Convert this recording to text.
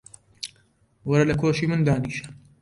وەرە لە کۆشی من دانیشە.